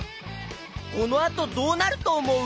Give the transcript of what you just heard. このあとどうなるとおもう？